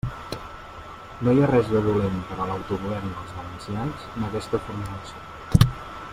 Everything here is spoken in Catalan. No hi ha res de dolent per a l'autogovern dels valencians en aquesta formulació.